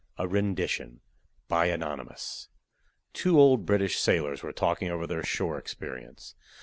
A RENDITION Two old British sailors were talking over their shore experience.